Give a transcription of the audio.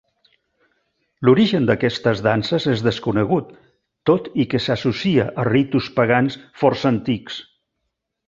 L'origen d'aquestes danses és desconegut, tot i que s'associa a ritus pagans força antics.